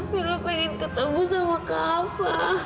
bila pengen ketemu sama kava